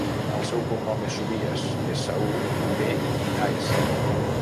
El seu cognom és Subias: essa, u, be, i, a, essa.